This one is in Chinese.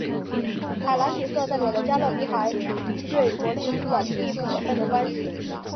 海蓝底色代表着加勒比海与其对伯利兹的密不可分的关系。